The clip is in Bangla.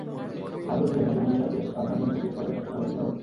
আহত ব্যক্তিদের মধ্যে মনিশ রায়কে রাজশাহী মেডিকেল কলেজ হাসপাতালে ভর্তি করা হয়েছে।